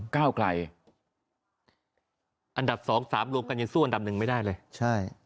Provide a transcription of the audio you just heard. ก้าวกลายอันดับสองสามรวบกันอย่างสู้อันดับหนึ่งไม่ได้เลยใช่